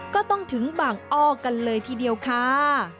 ก็ต้องถึงบางอ้อกันเลยทีเดียวค่ะ